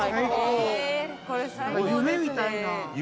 夢みたいな。